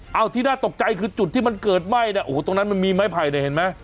เอาที่น่าตกใจคือจุดที่มันเกิดไหม้เนี่ยโอ้โหตรงนั้นมันมีไม้ไผ่เนี่ยเห็นไหม